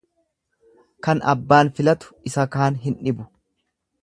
Kan abbaan filatu isa kaan hin dhibu.